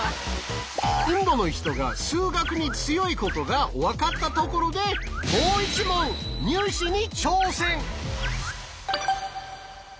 インドの人が数学に強いことが分かったところでもう１問入試に挑戦！